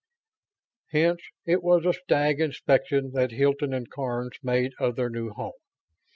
Hence it was a stag inspection that Hilton and Karns made of their new home.